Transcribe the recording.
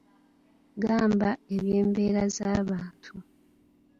Gamba, eby’embeera z’abantu